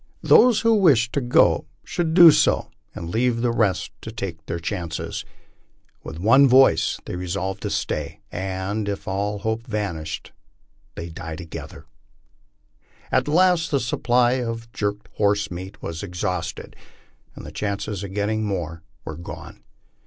Those who wished to go should do so and leave the rest to take their chances." With one voice they resolved to stay, and, if all hope vanished, to die together. At last the supply of jerked horse meat was exhausted, and the chances of getting more were gone.